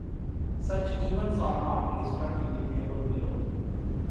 Such events are not listed in the table below.